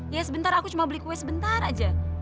ya sebentar aku cuma beli kue sebentar aja